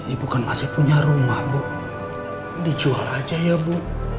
ibu kan masih punya rumah bu dijual aja ya bu